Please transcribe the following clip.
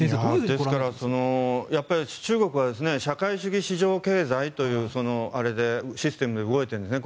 ですから、中国は社会主義市場経済というシステムで動いているんですね。